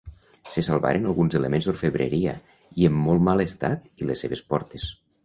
Se salvaren alguns elements d'orfebreria i, en molt mal estat i les seves portes.